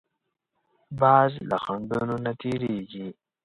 باز له خنډونو نه تېرېږي